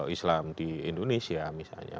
islam di indonesia misalnya